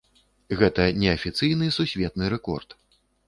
Гэта неафіцыйны сусветны рэкорд.